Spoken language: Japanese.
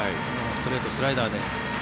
ストレート、スライダーで。